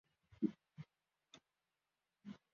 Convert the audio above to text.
Umugore wo muri Aziya ava muri tagisi rwagati mu mujyi nijoro